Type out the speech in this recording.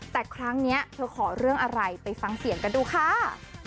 แต่ครั้งนี้เธอขอเรื่องอะไรไปฟังเสียงกันดูค่ะ